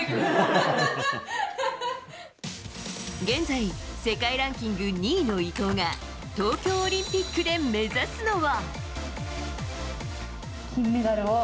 現在世界ランキング２位の伊藤が東京オリンピックで目指すのは。